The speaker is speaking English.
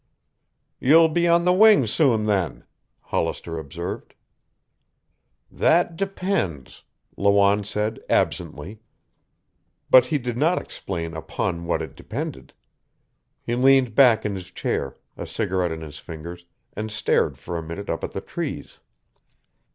"You'll be on the wing soon, then", Hollister observed. "That depends," Lawanne said absently. But he did not explain upon what it depended. He leaned back in his chair, a cigarette in his fingers, and stared for a minute up at the trees.